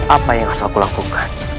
apa yang harus aku lakukan